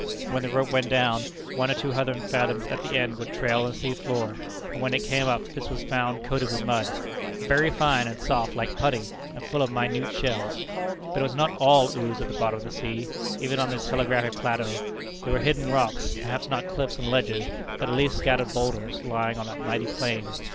When the rope went down, one or two hundred fathoms at the end would trail on the sea floor; and when it came up, this was found coated with mud, "very fine and soft like putty, and full of minute shells." But it was not all ooze at the bottom of the sea, even on this telegraphic plateau. There were hidden rocks perhaps not cliffs and ledges, but at least scattered boulders, lying on that mighty plain.